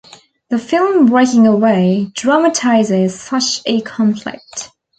The film "Breaking Away" dramatizes such a conflict.